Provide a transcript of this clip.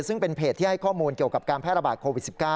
ซึ่งเป็นเพจที่ให้ข้อมูลเกี่ยวกับการแพร่ระบาดโควิด๑๙